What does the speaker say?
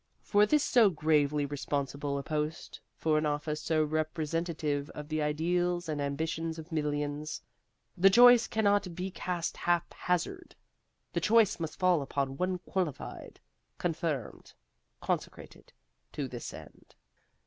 For so gravely responsible a post, for an office so representative of the ideals and ambitions of millions, the choice cannot be cast haphazard. The choice must fall upon one qualified, confirmed, consecrated to this end.